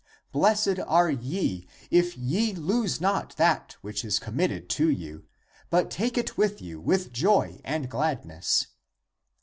Blessed are ye, if ye lose not that which is committed to you, but take it with you with joy and gladness.